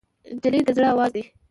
نجلۍ د زړه آواز دی.